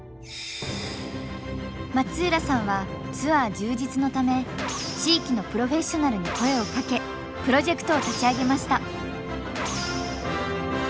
松浦さんはツアー充実のため地域のプロフェッショナルに声をかけプロジェクトを立ち上げました。